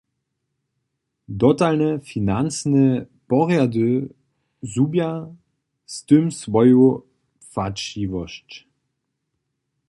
Dotalne financne porjady zhubja z tym swoju płaćiwosć.